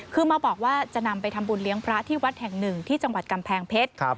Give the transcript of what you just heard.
คือมาบอกว่าจะนำไปทำบุญเลี้ยงพระที่วัดแห่งหนึ่งที่จังหวัดกำแพงเพชร